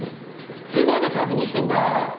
いつまで確認してんだよ